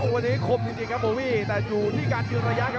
วันนี้คมจริงครับโบวี่แต่อยู่ที่การยืนระยะครับ